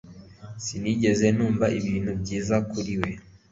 Sinigeze numva ibintu byiza kuri we